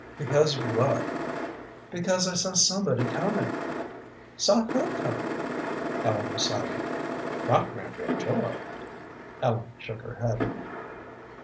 "Because what?" "Because I saw somebody coming." "Saw who coming?" Ellen was silent. "Not Granville Joy?" Ellen shook her head.